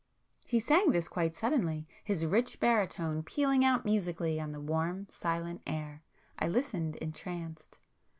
He sang this quite suddenly, his rich baritone pealing out musically on the warm silent air. I listened entranced.